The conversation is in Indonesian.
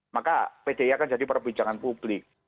maka pdi akan jadi perbincangan publik